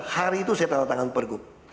hari itu saya tanda tangan per gub